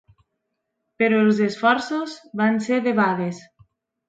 Però els esforços van ser debades.